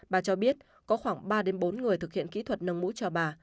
bà cho biết có khoảng ba bốn người thực hiện kỹ thuật nâng mũi cho bà